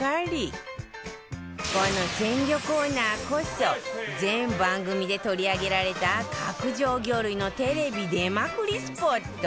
この鮮魚コーナーこそ全番組で取り上げられた角上魚類のテレビ出まくりスポット